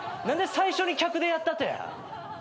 何で最初に客でやったとや。